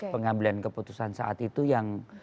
pengambilan keputusan saat itu yang